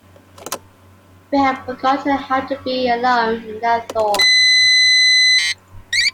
We have forgotten how to be alone in our thoughts.